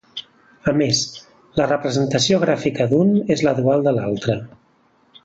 A més, la representació gràfica d'un és la dual de l'altra.